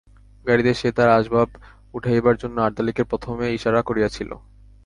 গাড়িতে সে তার আসবাব উঠাইবার জন্য আর্দালিকে প্রথমে ইশারা করিয়াছিল।